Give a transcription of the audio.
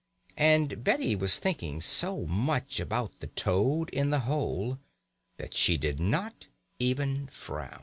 And Betty was thinking so much about the toad in the hole, that she did not even frown.